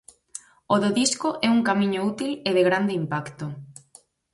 O do disco é un camiño útil e de grande impacto.